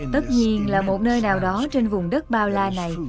tất nhiên là một nơi nào đó trên vùng đất bao la này